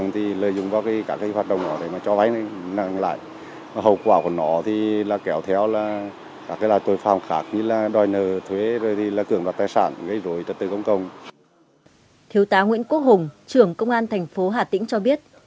thiếu tá nguyễn quốc hùng trưởng công an thành phố hà tĩnh cho biết